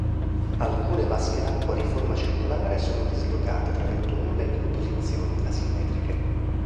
Alcune vasche d'acqua di forma circolare sono dislocate tra le tombe in posizioni asimmetriche.